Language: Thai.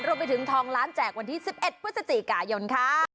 รวมไปถึงทองล้านแจกวันที่๑๑พฤศจิกายนค่ะ